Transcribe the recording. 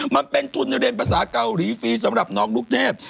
มันเป็นทุนเรียนภาษาเกาหลีฟรีสำหรับน้องลูกเทพ